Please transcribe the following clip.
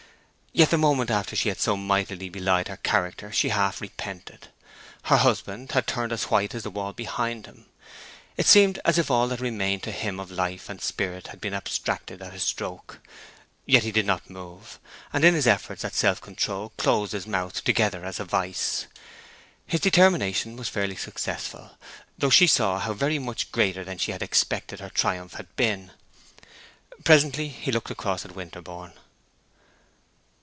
Yet the moment after she had so mightily belied her character she half repented. Her husband had turned as white as the wall behind him. It seemed as if all that remained to him of life and spirit had been abstracted at a stroke. Yet he did not move, and in his efforts at self control closed his mouth together as a vice. His determination was fairly successful, though she saw how very much greater than she had expected her triumph had been. Presently he looked across at Winterborne.